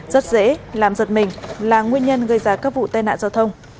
rất dễ làm giật mình là nguyên nhân gây ra các vụ tai nạn giao thông